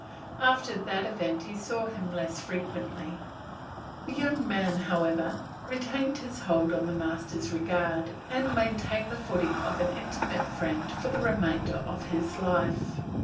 After that event he saw him less frequently. The young man however, retained his hold on the master's regard and maintained the footing of an intimate friend for the remainder of his life.